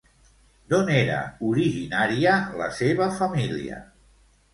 D'on era originària la seva família?